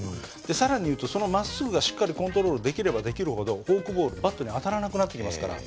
更に言うとそのまっすぐがしっかりコントロールできればできるほどフォークボールバットに当たらなくなってきますから。